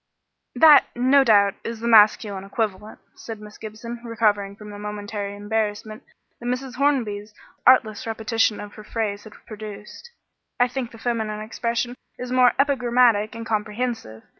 "That, no doubt, is the masculine equivalent," said Miss Gibson, recovering from the momentary embarrassment that Mrs. Hornby's artless repetition of her phrase had produced. "I think the feminine expression is more epigrammatic and comprehensive.